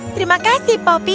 terima kasih poppy